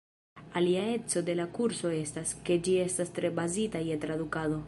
Alia eco de la kurso estas, ke ĝi estas tre bazita je tradukado.